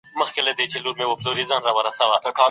سیاه دانه د انسان د وجود د حجرو په بیا جوړولو کې ونډه اخلي.